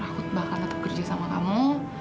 akut bahkan tetap kerja sama kamu